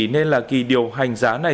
nên là kỳ điều hành giá này